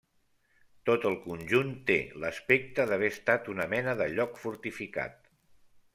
Tot el conjunt té l'aspecte d'haver estat una mena de lloc fortificat.